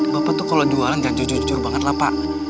bapak tuh kalau jualan gak jujur jujur banget lah pak